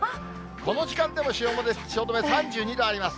この時間でも汐留３２度あります。